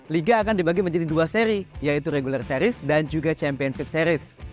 liga akan dibagi menjadi dua seri yaitu regular series dan juga championship series